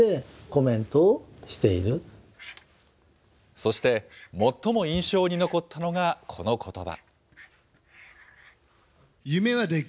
そして、最も印象に残ったのがこのことば。